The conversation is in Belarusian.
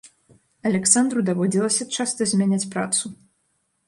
Аляксандру даводзілася часта змяняць працу.